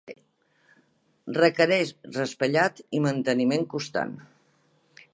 Requereix raspallat i manteniment constant.